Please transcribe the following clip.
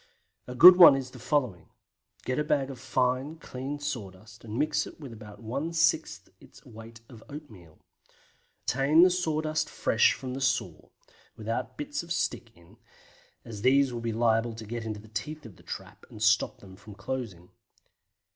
A good one is the following, viz.: Get a bag of fine, clean sawdust, and mix with it about one sixth its weight of oatmeal. Obtain the sawdust fresh from under the saw, without bits of stick in, as these would be liable to get into the teeth of the trap and stop them from closing.